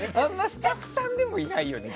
スタッフさんでもいないよね